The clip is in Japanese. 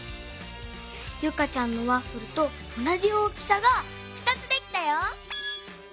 ユカちゃんのワッフルとおなじ大きさが２つできたよ！